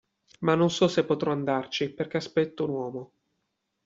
Ma non so se potrò andarci perché aspetto un uomo.